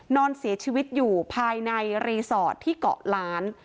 นอนเสียชีวิตอยู่ภายในรีสอร์ทที่เกาะล้าน